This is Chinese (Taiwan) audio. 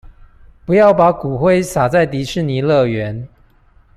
不要把骨灰灑在迪士尼樂園